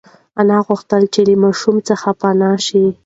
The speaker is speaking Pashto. انا غوښتل چې له ماشوم څخه پنا شي.